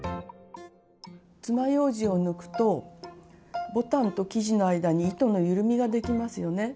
つまようじを抜くとボタンと生地の間に糸のゆるみができますよね。